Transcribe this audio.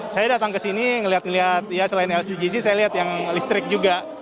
saya datang ke sini ngeliat ngeliat ya selain lcgc saya lihat yang listrik juga